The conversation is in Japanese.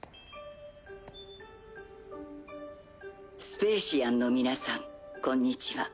スペーシアンの皆さんこんにちは。